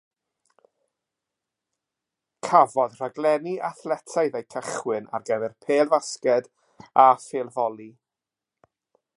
Cafodd rhaglenni athletaidd eu cychwyn ar gyfer pêl-fasged a phêl-foli.